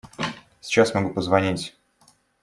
Сейчас могу позвонить.